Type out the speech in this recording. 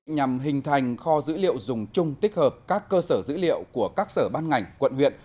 nhằm hình thành kho dữ liệu dùng chung tích hợp các cơ sở dữ liệu của các sở ban ngành quận huyện